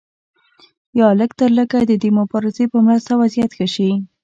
یا لږترلږه د دې مبارزې په مرسته وضعیت ښه شي.